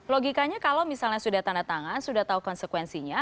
logikanya kalau misalnya sudah tanda tangan sudah tahu konsekuensinya